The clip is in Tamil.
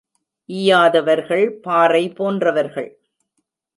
ஈயாதவர்கள் பாறை போன்றவர்கள்.